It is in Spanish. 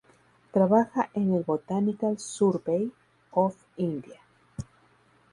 Trabaja en el "Botanical Survey of India".